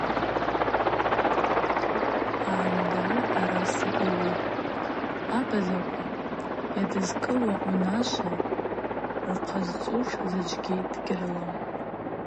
Агӏамдагӏвы араса йгӏвитӏ: Абазаква йадызкӏылуата унашва рхъызцӏуш заджвгьи дгьрылам.